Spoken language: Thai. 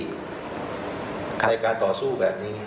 ใครการต่อสู้แบบนี้